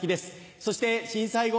そして震災後